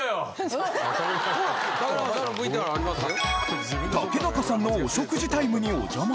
ほら竹中さんのＶＴＲありますよ。